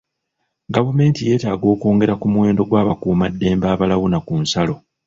Gavumenti yeetaaga okwongera ku muwendo gw'abakuumaddembe abalawuna ku nsalo.